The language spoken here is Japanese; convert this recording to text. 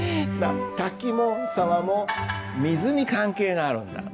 「滝」も「沢」も水に関係があるんだって。